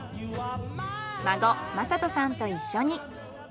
孫聖人さんと一緒に。